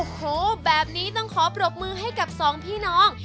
โอ้โหแบบนี้ต้องขอปรบมือให้กับสองพี่น้อง